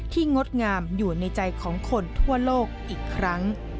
งดงามอยู่ในใจของคนทั่วโลกอีกครั้ง